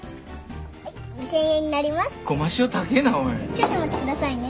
少々お待ちくださいね。